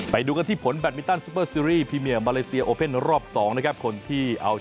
ไปดูกันที่ผลแบตมินตันซุปเปอร์ซีรีส์พรีเมียมมาเลเซียโอเพ่นรอบ๒นะครับ